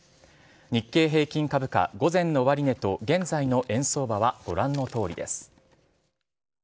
日経平均株価、午前の終値と現在の円相場はご覧のとおりです